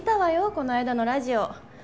この間のラジオ。